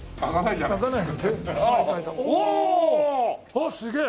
あっすげえ！